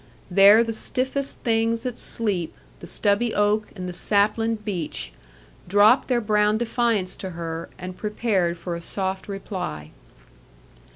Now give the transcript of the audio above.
There the stiffest things that sleep, the stubby oak, and the saplin'd beech, dropped their brown defiance to her, and prepared for a soft reply.